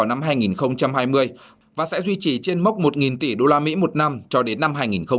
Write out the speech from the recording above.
năm hai nghìn hai mươi và sẽ duy trì trên mốc một tỷ usd một năm cho đến năm hai nghìn hai mươi